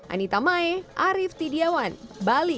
anita mae arief tidiawan bali